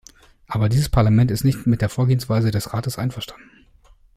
Aber dieses Parlament ist nicht mit der Vorgehensweise des Rates einverstanden.